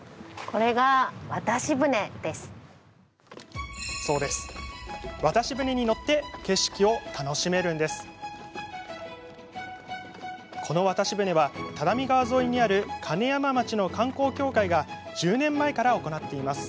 この渡し船は只見川沿いにある金山町の観光協会が１０年前から行っています。